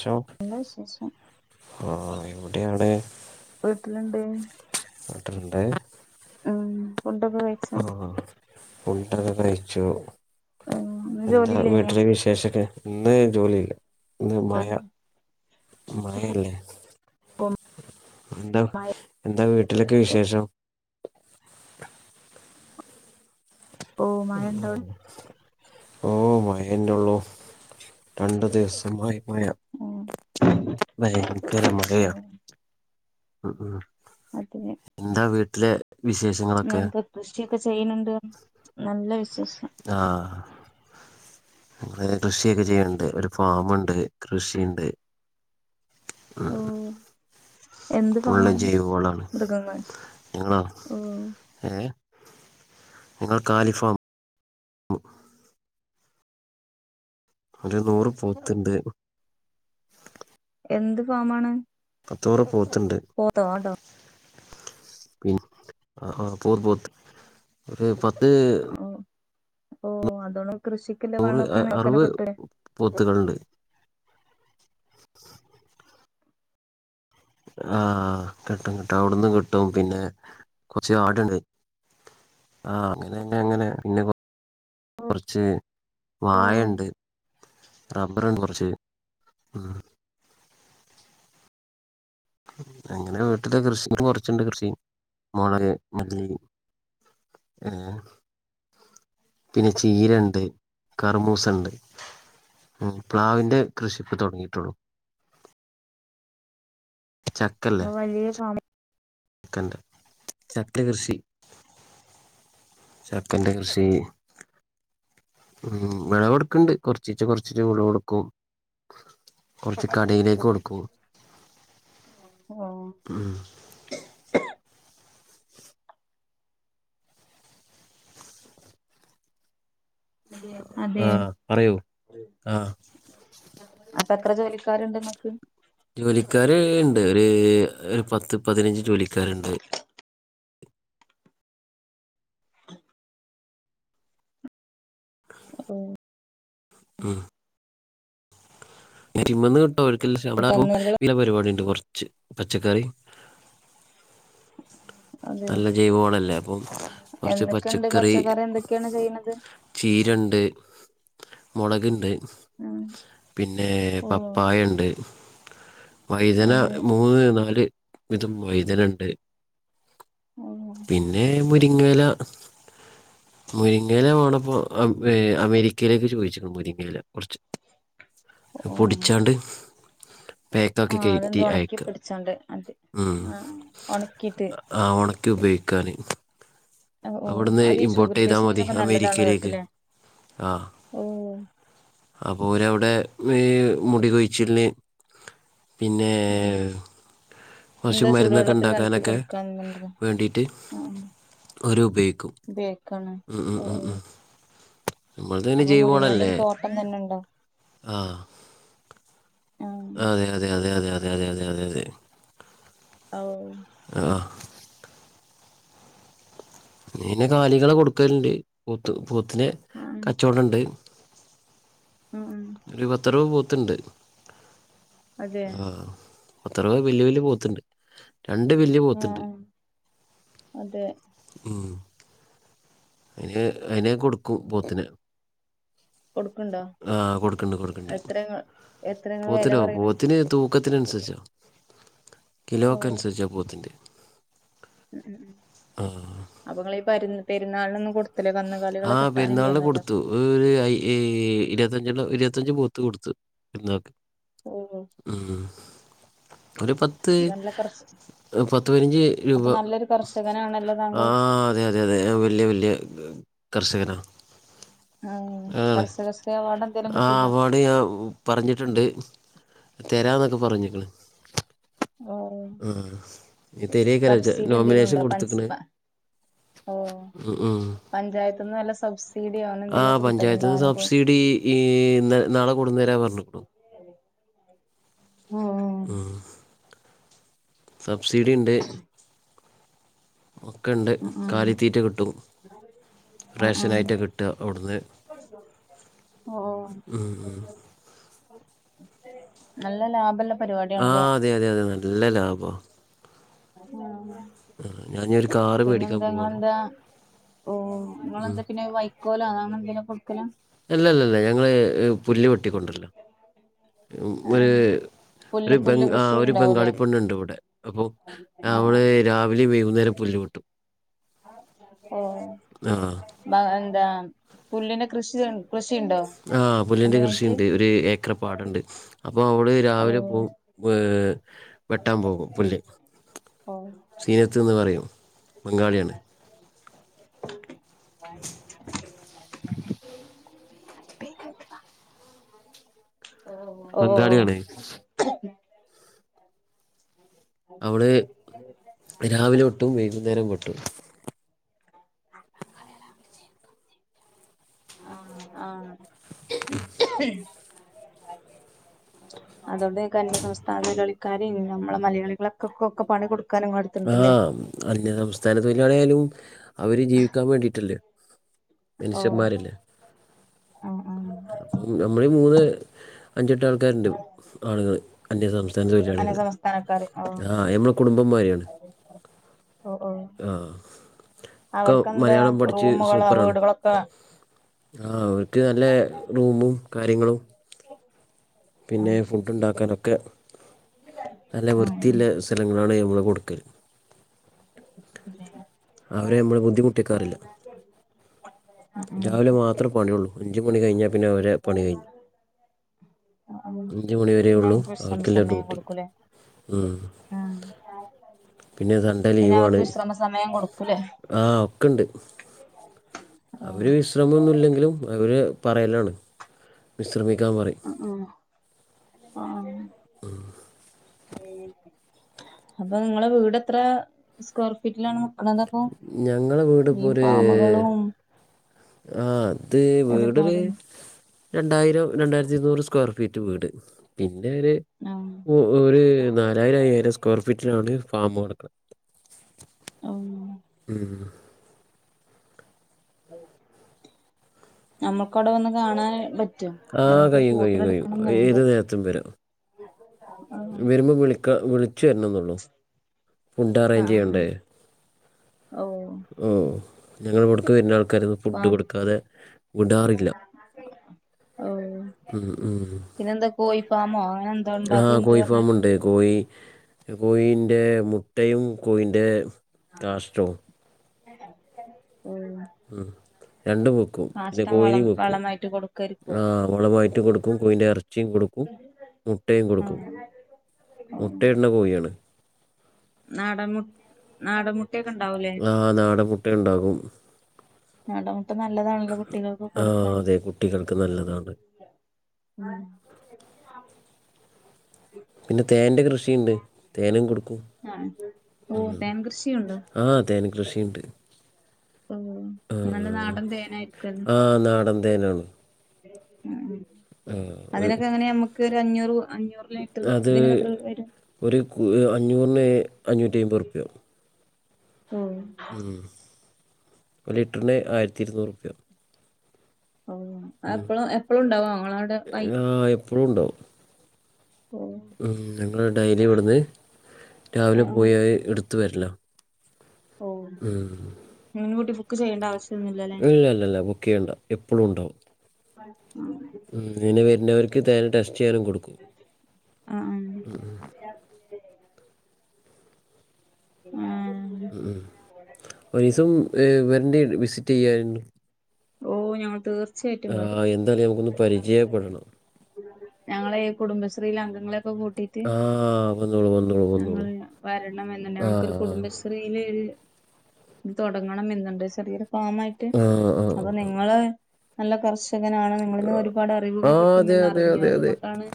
ശൊ നല്ല വിശേഷം ആഹ് ഈ കുട്ടി എവിടെ? വീട്ടിലുണ്ട് ട്ടുണ്ട്. ഉം ഫുഡൊക്കെ കയ്ച്ചോ? ഫുഡൊക്കെ കയ്ച്ചു ഇന്ന് എന്താ ജോലിയില്ലേനോ വീട്ടില് വിശേഷൊക്കെ? ഇന്ന് ജോലിയില്ല ഇന്ന് മയ മഴല്ലേ. എന്താ എന്താ വീട്ടിലൊക്കെ വിശേഷം ഓ മഴണ്ടോ ഉം. അവിടെ ഓ മഴേനൊള്ളു രണ്ടു ദിവസമായി മഴ ഭയങ്കര ഓ മഴയ ഉ ഉ [unintelligible] എന്താ വീട്ടിലെ വിശേഷ ഇങ്ങളെന്താ കൃഷിയൊക്കെ ചെയ്യുന്നുണ്ട് പറഞ് നല്ല വിശേഷം ആഹ് അഹ് കൃഷിയൊക്കെ ചെയ്യണ്ട് ഒരു ഫാമുണ്ട് കൃഷിയുണ്ട് ഓ ഉം എന്ത് ഫുള്ള് ഫാമാണ് ജൈവ വളാണ് മൃഗങ്ങൾ ഞങ്ങളാ ഓ ഏഹ് നിങ്ങളെ കാലിഫാം [unintelligible] ഒരു നൂറ് പോത്ത്ണ്ട് എന്ത് ഫാമാണ് പത്തൂറ പോത്തുണ്ട് പോത്തോ ആടോ പി ആഹ് ആഹ് പോത് പോത്ത് ഒരു പത്ത് ഓ ഓ അതോണം കൃഷിക്കില്ല നൂറ് വള്ളൊക്കെ ഇങ്ങക്കന്നെ അറുപത് കിട്ടു പോത്തുകളുണ്ട് ആഹ് കിട്ടും കിട്ടോ അവിടന്നും കിട്ടും പിന്നെ കൊറച്ച് ആട്ണ്ട് ആഹ് അങ്ങനെ അങ്ങനെ പിന്നെ കുറച്ച് ഓ വാഴണ്ട് റബ്ബറുണ്ട് കുറച്ച് ഉം അങ്ങനെ വീട്ടില് കൃഷി കുറച്ചുണ്ട് കൃഷി മുളക് മല്ലി ഏഹ് പിന്നെ ചീരണ്ട് കറുമൂസണ്ട് പ്ലാവിവിന്റെ കൃഷി ഇപ്പൊ തുടങ്ങിയിട്ടുള്ളൂ ച വലിയേ ഫാം കണ്ട് ചക്ക കൃഷി ചക്കന്റെ കൃഷീ ഉം വിളവ എടുക്കണ്ട് കൊറച്ചീച്ചെ കൊറച്ചീച്ചെ വിളവ കൊടുക്കും കുറച്ച് കടയിലേക്ക് കൊടുക്കും ആഹ് ഉം അതെ ആഹ് അറിയൊ ആഹ് അപ്പൊ എത്ര ജോലിക്കാരുണ്ട് ഇങ്ങക്ക് ജോലിക്കാര് ഇണ്ട് ഒരു ഒരു പത്ത് പതിനഞ്ച് ജോലിക്കാരുണ്ട് ഓ ഉം ഇതിമന്നു കിട്ടും ഒര്ക്ക [unintelligible] കന്നുകാലികള്. വില പരിപാടി ഉണ്ട് കുറച്ച് പച്ചക്കറി [inaudible] അതെ നല്ല ജൈവമാണല്ലേ അപ്പം കുറച്ച് എന്തൊക്കെയുണ്ട് പച്ചക്കറി എന്തൊക്കെയാണ് ചെയ്യണത് ചീരണ്ട് മുളക്ണ്ട് ഉം പിന്നെ ഓ പപ്പായുണ്ട് വൈദന അത് മൂന്ന് നാല് വീതം വൈദന ഉണ്ട് ഓ പിന്നെ മുരിങ്ങയില മുരിങ്ങയില വേണപ്പൊ ഏഹ് അമേരിക്കയിലേക്ക് ചോദിച്ചി മുരിങ്ങയില കുറച്ച് ഓ പൊടിച്ചാണ്ട് പാക്കാക്കി ആഹ് കയറ്റി അതെന്ത് ഒണക്കി അയക്കാം പൊടിച്ചാണ്ട് അത് ആഹ് ഒണക്കീട്ട് ആഹ് ഒണക്കി ഉപയോഗിക്കാന് ഓ അവിടുന്ന് അത് ഈ ഇമ്പോർട്ട് ഷുഗർ ചെയ്താൽ മതി പേഷ്യന്റിനൊക്കെ നല്ലതാണ് അമേരിക്കയിലേക്ക് കേട്ടില്ലേ ആഹ് ഓ അപ്പോ ഓരവിടെ വേ മുടി കൊഴിച്ചലിന് പിന്നേ ആ കൊറച്ചു എന്താ മരുന്നൊക്കെ ചൂടുവെള്ളത്തിൽ കലക്കി ഇണ്ടാക്കാനൊക്കെ കൊടുക്കാന്നുണ്ടല്ലോ വേണ്ടിയിട്ട് ആ ഓര് ഉപയോഗിക്കും ഉപയോഗിക്കാണ് ഉം ഓ ഓ ഉം ഉം നമ്മളത് തന്നെ അപ്പൊ മുരിങ്ങന്റെ ഒരു തോട്ടം തന്നെ ഇണ്ടോ ആഹ് ആ അതെ അതെ അതെ അതെ അതെ അതെ അതെ അതെ അതെ ഓഹ് ആഹ് ഇന്നെ കാലികളെ കൊടുക്കലുണ്ട് പോത്ത് പോത്തിനെ ആ കച്ചവടണ്ട് ആ ഒര് പത്ത് അറുപത് പോത്ണ്ട് അതെ ആഹ് പത്ത്‌ അറുപത് വലിയ വലിയ പോത്ണ്ട് രണ്ട് വലിയ ആഹ് അതെ ഉം അതിന് അയിനെ കൊട്ക്കും പോത്തിനെ കൊടുക്കണ്ടോ ആഹ് കൊടുക്കണ്ട് കൊടുക്കണ്ട് എത്ര എത്ര നിങ്ങള് വില പോത്തിനോ പറയണ് പോത്തിന് തൂ ക്കത്തിനനുസരിച്ചാണ് കിലോക്ക് ഓ അനുസരിച്ചാ പോത്തിൻ്റെ ഉം ഉം അപ്പൊ നിങ്ങള് ഈ പര് പെരുന്നാളിനൊന്നും കൊട ത്തിലെ കന്നുകാലികളെ കിട്ടാനില്ലേനല്ലോ ഒര് അയി ഇരുപത്തഞ്ചണ്ണം ഇരുപത്തഞ്ച് പോത്ത് കൊടുത്ത് പെരു ന്നാൾക് ഓഹോ ഉം ഒര് പത്ത് നല്ല കർഷ പത്ത് പത്ത് പതിനഞ്ച് രൂപ അപ്പൊ നല്ലൊരു കർഷകനാണല്ലോ താങ്കൾ ആഹ് അതെ അതെ അതെ അതെ വലിയ വലിയ കർഷകരാ ആഹ് ആണ് കർഷകശ്രീ അവാർഡ് എന്തേലും ആഹ് കിട്ടീനോ പണിയാകും പറഞ്ഞിട്ടുണ്ട് തരാന്നൊക്കെ പറഞ്ഞിക്കണ് ഓഹ് ആഹ് തെരായ്‌കാരം സബ്സിഡി എന്തേലും നോമിനേഷൻ ഉണ്ടോ പഞ്ച് കൊടുത്ക്ണ് പ ഉം ഉം പഞ്ചായത്ത് ന്ന് വ ല്ല സബ്സ ആ പഞ്ചായത്ത് നിന്ന് സബ്സിഡി ഈ നാളെ കൊടുന്നേരാ പറഞ്ഞു ആഹ് സബ്സിഡി ഇണ്ട് ഒക്കെ ഇണ്ട് ആഹ് ആഹ് കാലിത്തീറ്റ കിട്ടും ആഹ് റേഷൻ ആയിട്ട ആഹ് കിട്ട അവിടുന്ന് ഓഹ് ഉം ഉം നല്ല ലാഭല്ല ആഹ് അതെ അതെ അതെ നല്ല ലാഭ [unintelligible] ആഹ് ഞാനൊരു കാറ് മേടിക്കാൻ പിന്നെന്താ പോവാണ് ഇങ്ങളെന്താ ഓഹ് നിങ്ങെളന്താ പിന്നെ വൈ കോല അങ്ങനെ ന്ടേലും കൊടുക്കല അല്ല അല്ല അല്ല ഞങ്ങള് പുല്ല് വെട്ടി ക്കൊണ്ടര്ല ആഹ് പുല്ല് ഒര് പുല്ല് ബംഗ കൃഷി ഒര് ഉണ്ടാവൂലേ ബംഗാളി പെണ്ണ്ണ്ട് ഇവിടെ അപ്പൊ ആഹ് ആഹ് അവള് രാവിലെയും വൈകുന്നേരം പുല്ല് വെട്ടും ഓഹ് ആഹ് ബ എന്താ പുല്ലിന്റെ കൃഷി കൃഷിയുണ്ടോ അതിനായിട്ട് ഒര് ഏക്കർ പ്പാടുണ്ട് അപ്പൊ അവള് ഓ രാവിലെ പോകും ഏഹ് വെട്ടാൻ പോകും പുല്ല് ഓ സീനത്ത് എന്ന് പറയും ബംഗാളിയാണ്. [inaudible] [inaudible] ഓ ബംഗാളിയാണ് അവള് രാവിലെ വെട്ടും വൈകുന്നേരം വെട്ടും ആഹ് അതുകൊണ്ടേക്കു അന്യ സംസ്ഥാന കളിക്കാര് നമ്മള് മലയാളികളൊക്കെക്കെക്കെ പണി കൊടുക് ആഹ് അന്യ സംസ്ഥാന തൊഴിലാളിയായാലും അവര് ജീവിക്കാൻ വേണ്ടീട്ടല്ലേ? ഓ മന്ഷ്യമ്മാരല്ലേ? ആഹ് ആഹ് അപ്പം നമ്മളീ മൂന്ന് അഞ്ചെട്ട് ആൾക്കാര്ണ്ട് ആള്കള്, അന്യ സംസ് സ്ഥാന അന്യ തൊഴിലാളികള്. സംസ്ഥാനക്കാര് ഓ ആഹ് നമ്മള് കുടുംബം മാരിയാണ്. ഓ ഓ ആഹ്, ഒക്കെ അവർക്കെന്താ മലയാളം പഠിച്ച് റൂമുകളോ സൂപ്പറാണ്. വീടുകളൊക്കെ ആഹ് അവർക്ക് നല്ല റൂമും കാര്യങ്ങളും പിന്നെ ആഹ് ഫുഡ്ഡ്‌ ഇണ്ടാക്കാനൊക്കെ നല്ല ആഹ് വൃത്തിയില്ലെ സ്ഥലങ്ങളാണ് നമ്മള് കൊട്ക്കല്. ആഹ് അവരെ നമ്മള് ബുദ്ധിമുട്ടിക്കാറില്ല. ഉം രാവിലെ മാത്രെ പണിയുള്ളൂ. അഞ്ച് മണി കഴിഞ്ഞാ പിന്നെ അവരെ പണി കഴിഞ്ഞ്‌. ഉം അഞ്ച് മണി വരെയെ പിന്നെ ഇള്ളൂ അവർക്ക് വിശ്രമ അവർക്കുള്ള സമയം ഡ്യൂട്ടി. കൊടുക്കൂലേ ഉം. ആഹ് പിന്നെ സൺ‌ഡേ പിന്നെ ലീവു ആണ്. അവർക്ക് വിശ്രമ സമയം കൊടുക്കൂലേ ആഹ് ഒക്കെണ്ട്. ആഹ് അവര് വിശ്രമൊന്നില്ലെങ്കിലും അവര് പറയലാണ്, വിശ്രമിക്കാൻ പറയും. ഉം. ആഹ്. ആഹ്. അപ്പോ നിങ്ങളെ വീടെത്ര സ് ക്വയർ ഫീറ്റിലാണ് നിക്കണതപ്പോ? ഞങ്ങളെ വീട് ഇപ്പോ ഈ ഫാമുകളും ആഹ് അത് വീടൊരു ഒരുപാടും രണ്ടായിരം രണ്ടായിരത്തി ഇരുന്നൂറ് സ്ക്വയർ ഫീറ്റ് വീട്. പിന്നെയൊര് നൗ ഓഹ് ഒരു നാലായിരം അയ്യായിരം സ്ക്വയർ ഫീറ്റിലാണ് ഫാമ് കെടക്കണേ. ആന്നോ? ഉം. നമ്മക്കവിടെ വന്ന് കാണാൻ പറ്റ്വോ? ആ നമ്മക്കൊരു കഴിയും കഴിയും പോത്തിനെ കഴിയും എട്ക്കണന്ന്ണ്ട്. ഏത് വരുമ്പോ വിളിക്ക വിളിച്ചു വരണംന്നൊള്ളൂ. ഉം. ഫുഡ്ഡ് അറേഞ്ച് ആഹ് ചെയ്യണ്ടേ? ഓഹ് ഉം. ഞങ്ങളിവിട്ക്ക് വര്ണ ആൾക്കാരെയൊന്നും ഫുഡ്ഡ് പാം കൊട്ക്കാതെ വിടാറില്ല. ഉം ഉം. കോഴിഫാമോ അങ്ങനെ എന്തോ ഇണ്ട്, അതു ഇണ്ട് പറഞ്ഞിട്ട്? കോയി, കോയീൻ്റെ മുട്ടയും കോയിന്റേ കാഷ്ഠവും. ഏഹ്. ഉം. രണ്ടും വെക്കും പിന്നെ വളം കോഴിനെയും വെക്കും. വളമായിട്ട് കൊടുക്കായിരിക്കും ആഹ്. വളമായിട്ടും കൊടുക്കും കോഴിന്റെ എറച്ചിയും കൊടുക്കും, മുട്ടയും കൊടുക്കും. ആഹ് മുട്ടയിടുന്ന കോഴിയാണ്. നാടൻ മു, നാടൻമുട്ടയൊക്കെ ഇണ്ടാവൂല്ലേ? ആഹ് നാടൻമുട്ട ഇണ്ടാകും. നാടൻമുട്ട നല്ലതാണല്ലോ കുട്ടികൾക്ക് ആ കൊട്ക്കാന്. അതെ കുട്ടികൾക്ക് നല്ലതാണ് ആഹ്. പിന്നെ തേനിന്റെ കൃഷിണ്ട്. തേനും കൊടുക്കും. ആഹ് ഓ ഉം. തേൻ കൃഷിയുണ്ടോ ആഹ് തേൻ കൃഷിയിണ്ട്. ഓ നല്ല ആഹ്. നാടൻ തേനായിരിക്കുവല്ലോ ആഹ് നാടൻ തേനാണ്. ഉം. ആഹ് ഒരു അതിനൊക്കെ എങ്ങനെയാ നമുക്ക് ഒരഞ്ഞൂറ് അഞ്ഞൂറിനായിട്ട് അത് ഇതിനൊക്കെ എത്ര വരും? ഒരു കു അഞ്ഞൂറിന് അഞ്ഞൂറ്റി അയ്മ്പുർപ്യാവും. ഉം. ഉം ഒരു ലിറ്റർന് ആയിര്ത്തി ഇരുന്നൂറ്പ്യ ഓ എപ്പളും എപ്പളുണ്ടാവോ ഇങ്ങളാടെ പൈ ആഹ് എപ്പളുംണ്ടാവും ഓഹ് ഉം ഞങ്ങൾ ഡൈലി ഇവട്ന്ന് രാവിലെ ആഹ് ആഹ് പോയി എടുത്ത് വരല ഓ മുൻകൂട്ടി ബുക്ക് ചെയ്യേണ്ട ആവശ്യ ഇല്ലല്ലല്ല ബുക്കെയ്യണ്ട എപ്പളും ഇണ്ടാവും [unintelligible] ഉം ങ്ങനെ വെര്നോര്ക്ക് തേന് ടെസ്റ്റ് ചെയ്യാനും കൊടു ആഹ് ഉം ആഹ് ഉം ഒരീസം വെര്ണ്ടി വിസിറ്റെയ്യാൻ ഓ ഞങ്ങൾ തീർ ആഹ് എന്തായാലും ഞമ്മക്കൊന്ന് പരിചയപ്പെടണം ഞങ്ങളെയ് കുടുംബശ്രീയിലെ അംഗങ്ങളെയൊക്കെ കൂട്ടി റ്റ് ആഹ് വന്നോളൂ വന്നോളൂ വന്നോളൂ ഞങ്ങള് വരണമെന്നുണ്ട് ഞങ്ങൾക്കൊരു ആഹ് കുടുംബശ് ശ്രീലൊര് ത് തൊടങ്ങണം എന്ന്ണ്ട് ചെറിയൊരു ഫാമായിട്ട് ആഹ് ആഹ് അപ്പൊ ആഹ് നിങ്ങള് നല്ല കർഷ് ഷകനാണ് നിങ്ങളിന്ന് ആഹ് ഒരുപാട് അറിവുകള് ആഹ് അതെ കിട്ടുമെന്ന് അതെ അറിഞ്ഞു അതെ അതെ അതുകൊണ്ടാണ്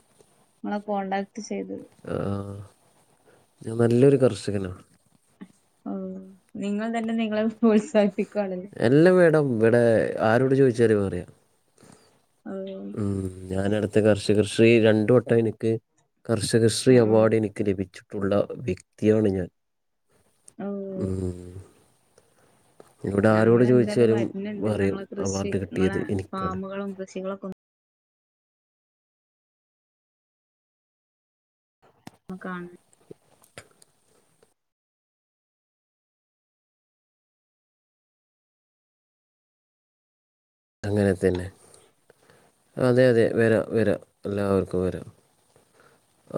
ങ്ങളെ കോണ്ടാക്ട് ചെയ്തത് ആഹ് ഞാൻ നല്ലൊരു കർഷകനാ ഔ നിങ്ങൾ തന്നെ നിങ്ങളെ പ്രോത്സാഹിപ്പി അല്ല മേഡം വ്വടെ ആരോട് ചോയ്ച്ചാലും അറിയാം ഓ ഉം ഞാനട്ത്ത കർഷകശ്രീ രണ്ടു വട്ടം എനിക്ക് കർഷകശ്രീ ആഹ് ആഹ് അവാർഡ് എനിക്ക് ലഭിച്ചിട്ടുള്ള വ്യ ക്തിയാണ് ഞാൻ ഓ ഉം ഇവിടെ ആരോട് ഞങ്ങളെന്തായാലും ചോദിച്ചാലും വരുന്നുണ്ട് പറയും ഞങ്ങളെ കൃഷി അവാർഡ് നിങ്ങളെ കിട്ടിയത് എനിക്കാണ് ഫാമുകളും കൃഷികളൊക്കെ ഇങ്ങക്കാണ് അങ്ങനെ തന്നെ അതെ അതെ വെരാം വെരാം എല്ലാവർക്കും വരാം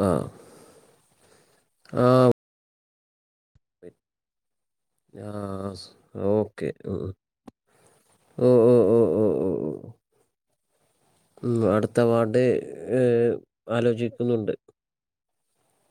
ആഹ് ആഹ് ആഹ് സ് അഹ് ഓക്കെ ഉം ഉം ഉം ഉം ഉം ഉം ഉം ഉം അടുത്ത അവാർഡ് ഇഹ് ആലോചിക്കുന്നുണ്ട്